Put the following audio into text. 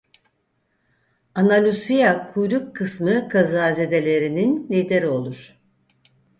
Ana Lucia kuyruk kısmı kazazedelerinin lideri olur.